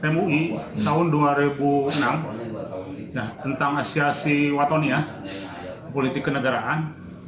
mui tahun dua ribu enam tentang asiasi watonia politik kenegaraan